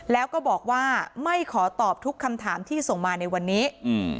แล้วก็บอกว่าไม่ขอตอบทุกคำถามที่ส่งมาในวันนี้อืม